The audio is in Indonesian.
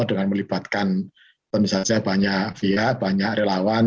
dengan melibatkan penelitian banyak via banyak relawan